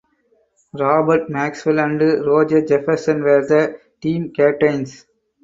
Robert Maxwell and Roger Jefferson were the team captains.